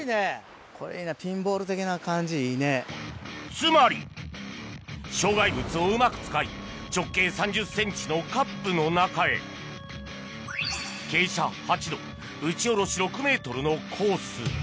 つまり障害物をうまく使い直径３０ｃｍのカップの中へ傾斜８度打ち下ろし６ｍのコース